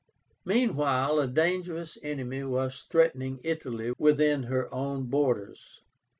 Meanwhile a dangerous enemy was threatening Italy within her own borders.